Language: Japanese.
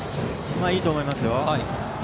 いいと思いますよ。